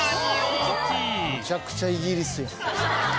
めちゃくちゃイギリスやん。